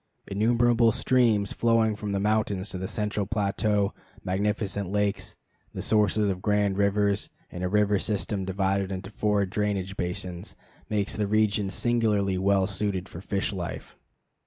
Innumerable streams flowing from the mountains to the central plateau, magnificent lakes, the sources of grand rivers, and a river system divided into four drainage basins, make the region singularly well suited for fish life.